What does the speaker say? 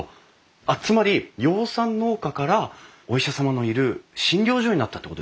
あっつまり養蚕農家からお医者様のいる診療所になったってことですか？